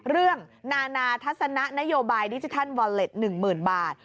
นานาทัศนะนโยบายดิจิทัลวอลเล็ต๑๐๐๐บาท